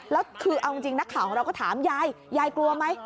แล้วคือเอาจริงนักข่าวของเราก็ถามยายยายกลัวไหม